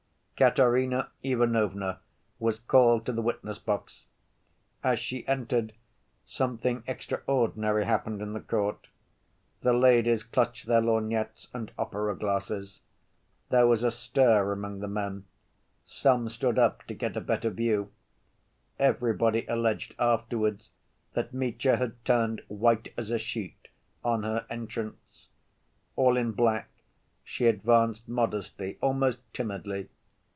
Katerina Ivanovna was called to the witness‐box. As she entered something extraordinary happened in the court. The ladies clutched their lorgnettes and opera‐glasses. There was a stir among the men: some stood up to get a better view. Everybody alleged afterwards that Mitya had turned "white as a sheet" on her entrance. All in black, she advanced modestly, almost timidly.